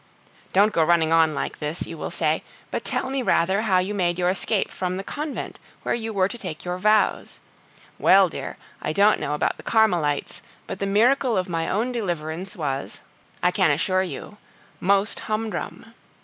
Don't go running on like this, you will say, but tell me rather how you made your escape from the convent where you were to take your vows. Well, dear, I don't know about the Carmelites, but the miracle of my own deliverance was, I can assure you, most humdrum.